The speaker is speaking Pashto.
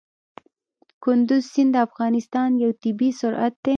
کندز سیند د افغانستان یو طبعي ثروت دی.